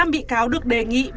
một mươi năm bị cáo được đề nghị